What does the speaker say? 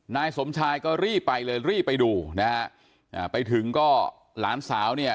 นายสมชายก็รีบไปเลยรีบไปดูนะฮะอ่าไปถึงก็หลานสาวเนี่ย